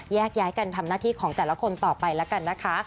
แยกย้ายกันทำหน้าที่ของแต่ละคนต่อไปแล้วกันนะคะ